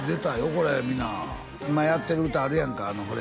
これ皆今やってる歌あるやんかほれ